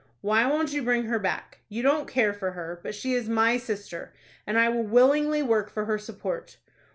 Why won't you bring her back? You don't care for her; but she is my sister, and I will willingly work for her support."